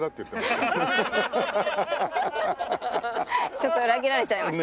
ちょっと裏切られちゃいました。